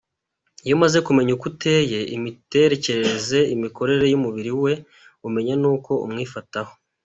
Iyo umaze kumenya uko ateye, imitekerereze, imikorere y’umubiri we, umenya n’uko umwifataho.